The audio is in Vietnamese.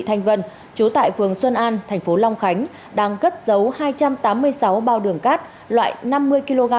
thanh vân chú tại phường xuân an thành phố long khánh đang cất giấu hai trăm tám mươi sáu bao đường cát loại năm mươi kg